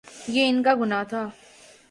یہ ان کا گناہ تھا۔